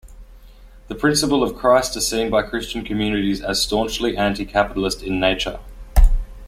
The principles of Christ are seen by Christian Communists as staunchly anti-capitalist in nature.